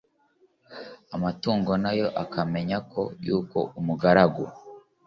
Amatungo na yo akamenya yuko umugaru